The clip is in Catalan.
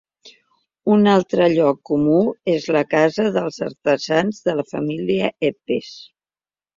Un altre lloc comú és la casa dels artesans de la família Eppes.